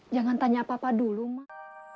jangan tanya apa apa dulu mah